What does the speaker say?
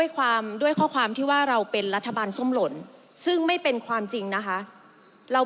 ขออธิระทันนะครับ